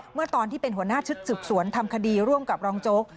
เมื่อตอนที่เป็นหัวหน้าชุดสืบสวนทำคดีร่วมกับรองโจ๊ก